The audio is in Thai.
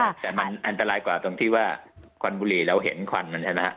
แต่มันอันตรายกว่าตรงที่ว่าควันบุรีเราเห็นควันมันใช่ไหมฮะ